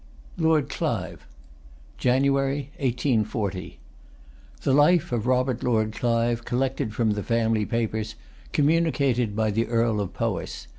LORD CLIVE (January 1840) The Life of Robert Lord Clive; collected from the Family Papers, communicated by the Earl of Powis.